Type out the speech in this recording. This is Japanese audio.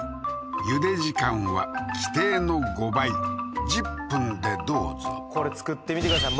茹で時間は規定の５倍１０分でどうぞこれ作ってみてください